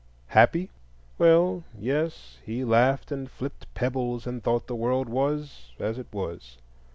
Happy?—Well, yes; he laughed and flipped pebbles, and thought the world was as it was.